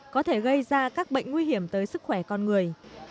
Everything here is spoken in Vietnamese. có thể gây ra các bệnh nguy hiểm tới sức khỏe con người